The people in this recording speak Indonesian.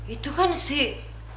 itu kan sih